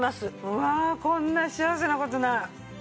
うわあこんな幸せな事ない。